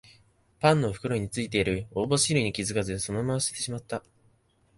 パンの袋についてる応募シールに気づかずそのまま捨ててしまった